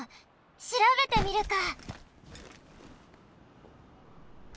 しらべてみるか！